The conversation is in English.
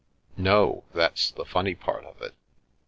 " No, that's the funny part of it.